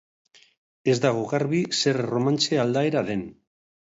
Ez dago garbi zer erromantze aldaera den.